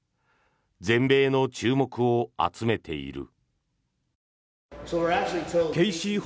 全米の注目を集めている。